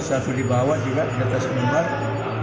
satu di bawah juga di atas bubar